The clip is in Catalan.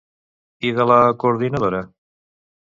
I de la coordinadora?